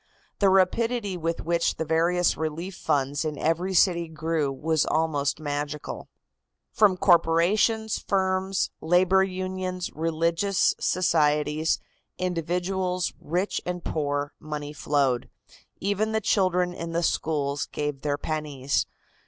The rapidity with which the various relief funds in every city grew was almost magical. From corporations, firms, labor unions, religious societies, individuals, rich and poor, money flowed. Even the children in the schools gave their pennies.